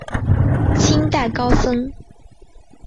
清代高僧。